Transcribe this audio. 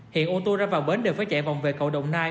hiện ô tô ra vào bến đều phải chạy vòng về cầu đồng nai